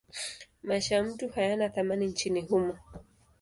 Maisha ya mtu hayana thamani nchini humo.